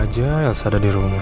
semoga aja elsa ada di rumah